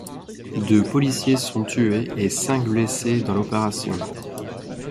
Deux policiers sont tués et cinq blessés dans l'opération.